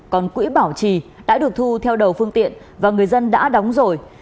còn quỹ bảo trì đã được thu theo đầu phương tiện và người dân đã đóng rồi